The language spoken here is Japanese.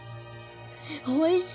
おいしい！